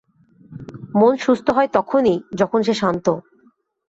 মন সুস্থ হয় তখনই, যখন সে শান্ত।